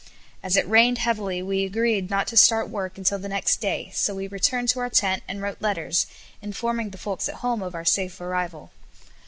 As it rained heavily, we agreed not to start work until the next day, so we returned to our tent and wrote letters, informing the folks at home of our safe arrival.